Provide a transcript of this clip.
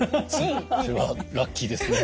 それはラッキーですね。